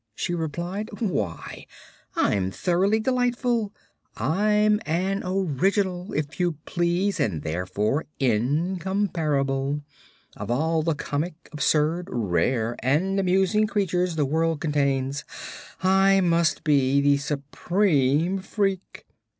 she replied. "Why, I'm thoroughly delightful. I'm an Original, if you please, and therefore incomparable. Of all the comic, absurd, rare and amusing creatures the world contains, I must be the supreme freak.